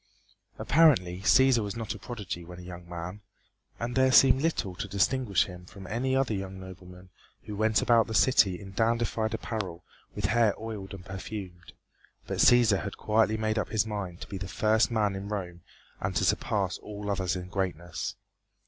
Apparently Cæsar was not a prodigy when a young man, and there seemed little to distinguish him from any other young nobleman who went about the city in dandified apparel with hair oiled and perfumed, but Cæsar had quietly made up his mind to be the first man in Rome and to surpass all others in greatness.